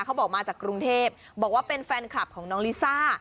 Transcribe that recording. เขาบอกมาจากกรุงเทพบอกว่าเป็นแฟนคลับของน้องลิซ่า